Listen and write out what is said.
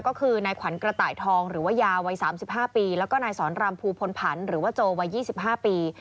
ก็คือนายขวัญกระต่ายทองหรือว่ายาวัย๓๕ปีแล้วก็นายสอนรำภูพลผันหรือว่าโจวัย๒๕ปี